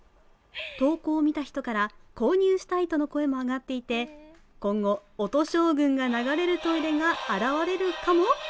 投稿を見た人から購入したいとの声も上がっていて今後、音将軍が流れるトイレが現れるかも？